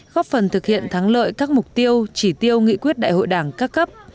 góp phần thực hiện thắng lợi các mục tiêu chỉ tiêu nghị quyết đại hội đảng các cấp